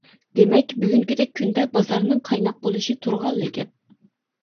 دېمەك بۈگۈنكىدەك كۈندە بازارنىڭ قايناق بولۇشى تۇرغانلا گەپ.